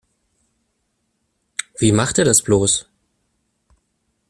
Wie macht er das bloß?